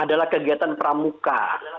adalah kegiatan pramuka